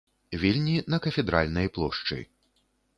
Вільні на кафедральнай плошчы.